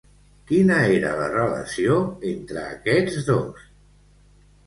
Quina era la relació entre aquests dos?